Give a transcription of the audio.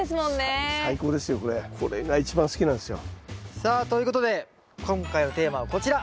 さあということで今回のテーマはこちら。